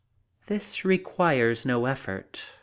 This requires no effort.